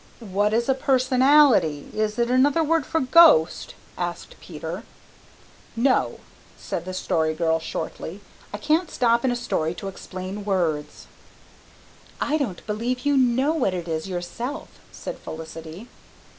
"What is a personality? Is it another word for ghost?" asked Peter. "No," said the Story Girl shortly. "I can't stop in a story to explain words." "I don't believe you know what it is yourself," said Felicity.